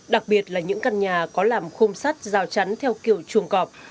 đặc biệt là những căn nhà có làm khung sắt rào chắn theo kiểu chuồng cọp